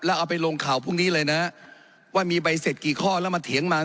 แล้วเอาไปลงข่าวพรุ่งนี้เลยนะว่ามีใบเสร็จกี่ข้อแล้วมาเถียงมา